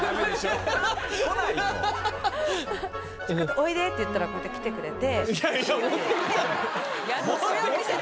おいで！って言ったらこうやって来てくれて。